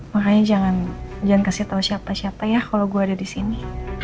makanya jangan kasih tau siapa siapa ya kalo gue ada disini